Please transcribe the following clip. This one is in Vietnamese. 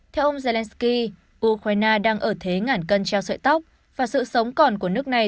theo ông zelensky ukraine đang ở thế ngản cân treo sợi tóc và sự sống còn của nước này